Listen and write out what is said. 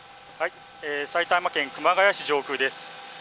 埼玉県熊谷市上空です。